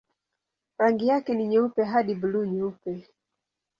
Rangi yake ni nyeupe hadi buluu-nyeupe.